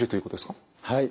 はい。